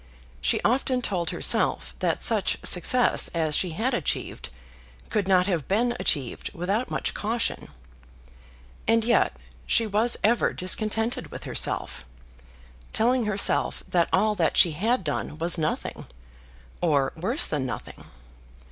She often told herself that such success as she had achieved could not have been achieved without much caution. And yet she was ever discontented with herself, telling herself that all that she had done was nothing, or worse than nothing.